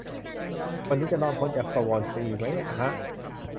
วันนี้จะรอดพ้นจากสวอนซีไหมฮะ